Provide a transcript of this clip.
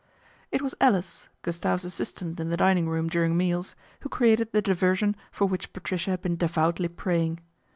It was Alice, Gustave's assistant in the dining room during meals, who created the diversion for which Patricia had been devoutly praying.